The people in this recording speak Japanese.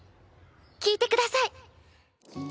聴いてください。